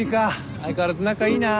相変わらず仲いいな。